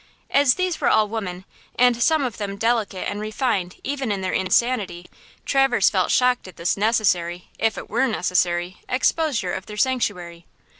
As these were all women, and some of them delicate and refined even in their insanity, Traverse felt shocked at this necessary, if it were necessary, exposure of their sanctuary.